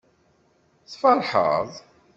Tfeṛḥeḍ?